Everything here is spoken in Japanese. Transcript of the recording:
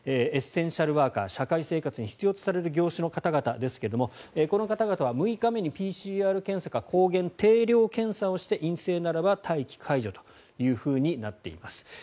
エッセンシャルワーカー社会生活に必要とされる業種の方々ですがこの方々は６日目にＰＣＲ検査か抗原定量検査をして陰性ならば待機解除というふうになっています。